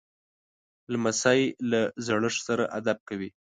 لمسی له زړښت سره ادب کوي.